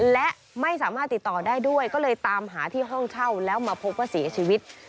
และไม่สามารถติดต่อได้ด้วยก็เลยตามหาที่ห้องเช่าแล้วมาพบว่าเสียชีวิต